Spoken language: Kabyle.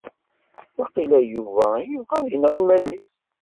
Waqila Yuba ibɣa ad ineɣ iman-is.